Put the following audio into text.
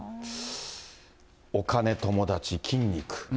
お金、友達、筋肉。